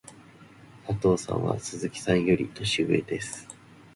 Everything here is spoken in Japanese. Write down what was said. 佐藤さんは鈴木さんより年上です。